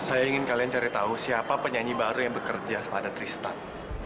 saya ingin kalian cari tahu siapa penyanyi baru yang bekerja pada tristan